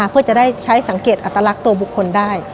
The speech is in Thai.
เพื่อจะได้ใช้สังเกตอัตลักษณ์ตัวบุคคลได้